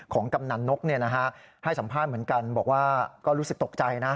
กำนันนกให้สัมภาษณ์เหมือนกันบอกว่าก็รู้สึกตกใจนะ